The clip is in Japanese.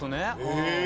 へえ！